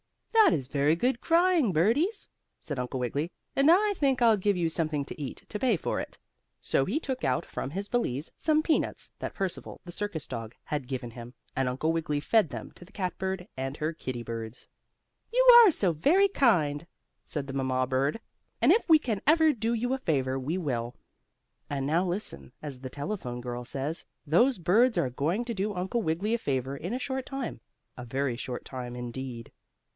"That is very good crying, birdies," said Uncle Wiggily, "and I think I'll give you something to eat, to pay for it." So he took out from his valise some peanuts, that Percival, the circus dog, had given him, and Uncle Wiggily fed them to the cat bird and her kittie birds. "You are very kind," said the mamma bird, "and if we can ever do you a favor we will." And now listen, as the telephone girl says, those birds are going to do Uncle Wiggily a favor in a short time a very short time indeed.